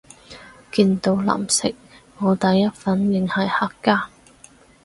見到藍色我第一反應係客家